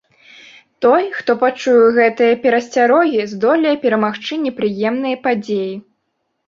Той, хто пачуе гэтыя перасцярогі, здолее перамагчы непрыемныя падзеі.